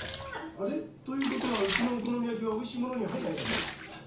あれ？ということはうちのお好み焼きはおいしいものに入んないわけ？